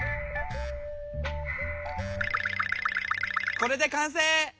これで完成！